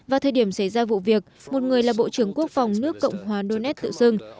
vào thời điểm xảy ra vụ việc một người là bộ trưởng quốc phòng nước cộng hòa donets tự xưng